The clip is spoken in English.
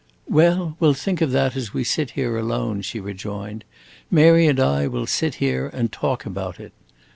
"Well, we 'll think of that as we sit here alone," she rejoined. "Mary and I will sit here and talk about it.